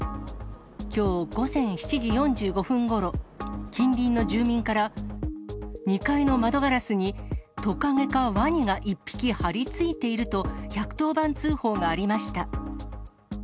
きょう午前７時４５分ごろ、近隣の住民から、２階の窓ガラスに、トカゲかワニが１匹張り付いていると、１１０番通報がありました。